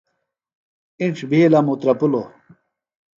اِنڇ بِھیلم اوترپِلوۡ۔